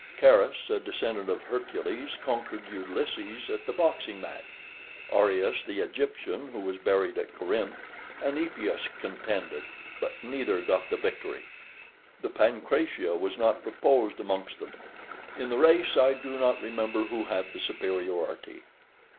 Carus, a descendant of Hercules, conquered Ulysses at the boxing match; Areus the Egyptian, who was buried at Corinth, and Epeus contended, but neither got the victory. The Pancratia was not proposed amongst them. In the race I do not remember who had the superiority.